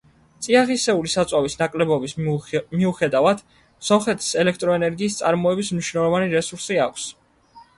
წიაღისეული საწვავის ნაკლებობის მიუხედავად, სომხეთს ელექტროენერგიის წარმოების მნიშვნელოვანი რესურსი აქვს.